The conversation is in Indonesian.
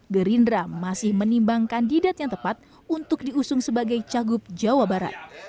gerindra masih menimbang kandidat yang tepat untuk diusung sebagai cagup jawa barat